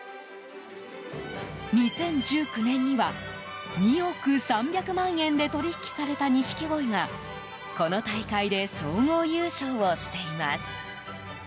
２０１９年には２億３００万円で取引された錦鯉がこの大会で総合優勝をしています。